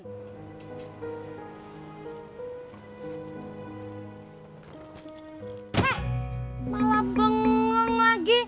hah malah bengong lagi